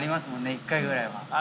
１回ぐらいは。